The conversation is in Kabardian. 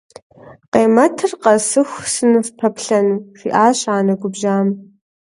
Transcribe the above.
- Къемэтыр къэсыху сыныфпэплъэну? - жиӏащ анэ губжьам.